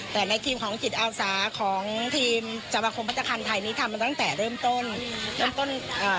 แต่ในทีมของจิตอาสาของทีมสมาคมพัฒนาคารไทยนี้ทำมาตั้งแต่เริ่มต้นเริ่มต้นอ่า